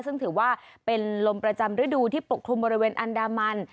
ซึ่งถือว่าเป็นลมประจำฤดูที่ปกคลุมบริเวณอันดามัน